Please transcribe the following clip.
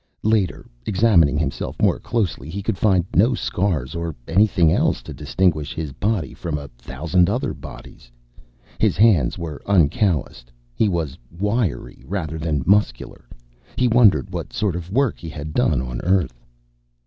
Later, examining himself more closely, he could find no scars or anything else to distinguish his body from a thousand other bodies. His hands were uncallused. He was wiry rather than muscular. He wondered what sort of work he had done on Earth.